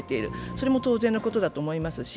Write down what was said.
それも当然のことだと思いますし。